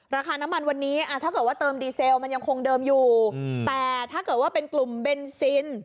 ราคาน้ำมันวันนี้ถ้าเกิดว่าเติมดีเซลมันยังคงเดิมอยู่แต่ถ้าเกิดว่าเป็นกลุ่มเบนซิน